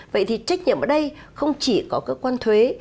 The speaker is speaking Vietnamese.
vậy thì trách nhiệm ở đây không chỉ có cơ quan thuế